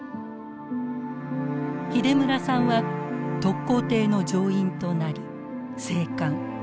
秀村さんは特攻艇の乗員となり生還。